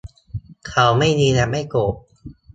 เขาไม่มีและไม่โกรธ